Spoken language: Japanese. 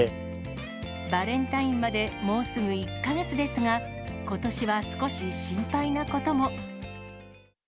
バレンタインまでもうすぐ１か月ですが、ことしは少し心配なことも。